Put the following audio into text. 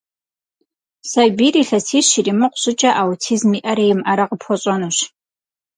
Сабийр илъэсищ иримыкъу щӀыкӀэ аутизм иӀэрэ имыӀэрэ къыпхуэщӀэнущ.